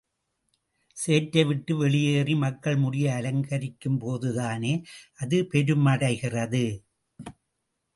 சேற்றைவிட்டு வெளியேறி மக்கள் முடியை அலங்கரிக்கும் போதுதானே அது பெருமைடைகிறது.